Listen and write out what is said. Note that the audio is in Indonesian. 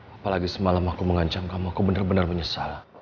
apalagi semalam aku mengancam kamu aku benar benar menyesal